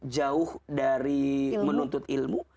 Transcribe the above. jauh dari menuntut ilmu